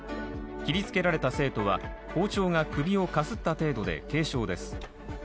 切りつけられた生徒は包丁が首をかすった程度で軽傷です。